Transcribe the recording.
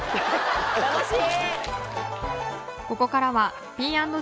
楽しい！